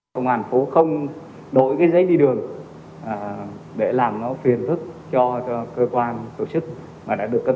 công an tp hcm sẽ gia hạn kéo dài hiệu lực của giấy đi đường đã cấp